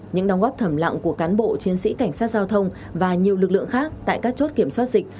những đóng góp thầm lặng của cán bộ chiến sĩ cảnh sát giao thông và nhiều lực lượng khác tại các chốt kiểm soát dịch